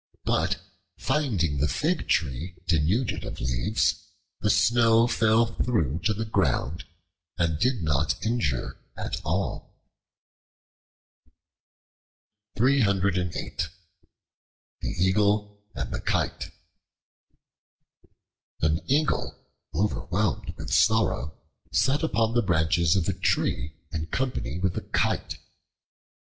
But finding the Fig Tree denuded of leaves, the snow fell through to the ground, and did not injure it at all. The Eagle and the Kite AN EAGLE, overwhelmed with sorrow, sat upon the branches of a tree in company with a Kite.